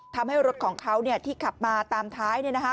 ทำให้รถของเขาที่ขับมาตามท้าย